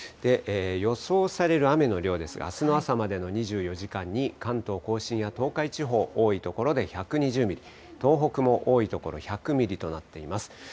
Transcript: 予想される雨の量ですが、あすの朝までの２４時間に関東甲信や東海地方、多い所で１２０ミリ、東北も多い所１００ミリとなっています。